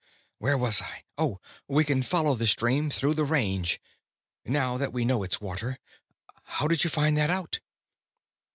Where was I? Oh. We can follow the stream through the Range, now that we know it's water. How did you find that out?"